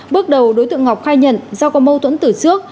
bước đầu đối tượng ngọc khai nhận do có mâu thuẫn từ trước